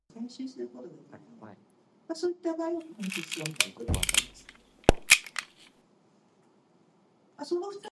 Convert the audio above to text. Whickham is a semi-rural, middle class suburban town and former civil parish.